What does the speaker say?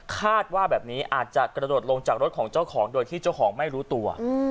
คาดว่าแบบนี้อาจจะกระโดดลงจากรถของเจ้าของโดยที่เจ้าของไม่รู้ตัว